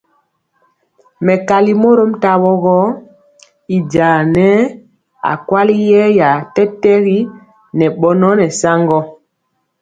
Mɛkali mɔrom tawo gɔ, y jaŋa nɛɛ akweli yeeya tɛtɛgi ŋɛ bɔnɔ nɛ saŋgɔ.